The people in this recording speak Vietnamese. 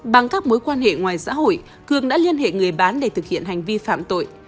bằng các mối quan hệ ngoài xã hội cường đã liên hệ người bán để thực hiện hành vi phạm tội